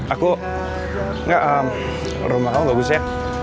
aku gak rumah kamu gak bagus ya